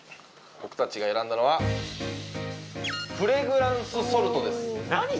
僕たちが選んだのはフレグランスソルトです何？